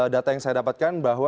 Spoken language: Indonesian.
data yang saya dapatkan bahwa